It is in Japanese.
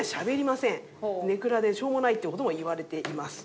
根暗でしょうもないっていう事もいわれています。